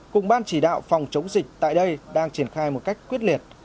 cùng ban chỉ đạo phòng chống dịch tại đây đang triển khai một cách quyết liệt